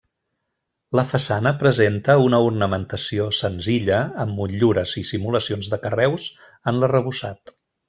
La façana presenta una ornamentació senzilla amb motllures i simulacions de carreus en l’arrebossat.